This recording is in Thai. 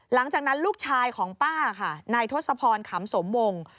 หลังจากนั้นลูกชายของป้าค่ะนายทศพรขำสมวง